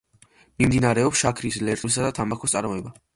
მიმდინარეობს შაქრის ლერწმისა და თამბაქოს წარმოება.